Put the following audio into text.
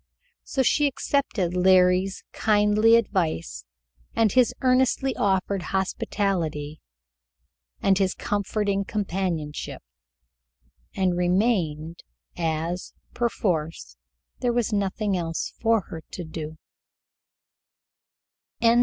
So she accepted Larry's kindly advice and his earnestly offered hospitality and his comforting companionship, and remained, as, perforce, there was nothing else for her to do.